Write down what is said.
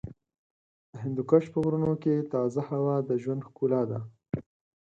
د هندوکش په غرونو کې تازه هوا د ژوند ښکلا ده.